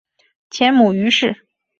前母俞氏。